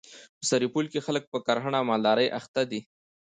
په سرپل کي خلک په کرهڼه او مالدري اخته دي.